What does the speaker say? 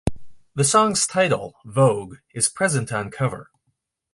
The song's title, "Vogue", is present on cover.